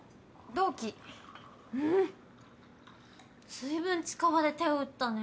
随分近場で手を打ったね。